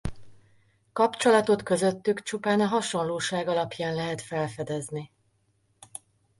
Kapcsolatot közöttük csupán a hasonlóság alapján lehet felfedezni.